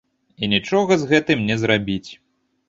І нічога з гэтым не зрабіць.